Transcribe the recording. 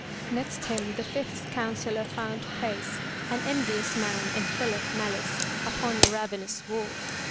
Next him the fifth counsellor found place, an envious man and 25 MY BOOK HOUSE full of malice, upon a ravenous wolf.